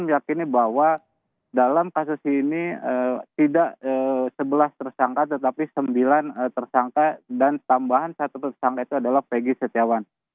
meyakini bahwa dalam kasus ini tidak sebelas tersangka tetapi sembilan tersangka dan tambahan satu tersangka itu adalah pegi setiawan